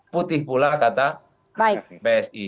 putih pula kata psi